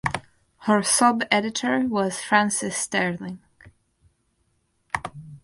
Her subeditor was Frances Sterling.